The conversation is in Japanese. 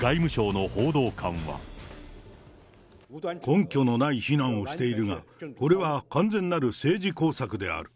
根拠のない非難をしているが、これは完全なる政治工作である。